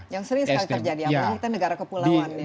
yang sering sekali terjadi apalagi kita negara kepulauan